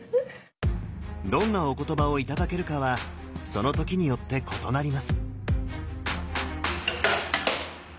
どんなお言葉を頂けるかはその時によって異なります。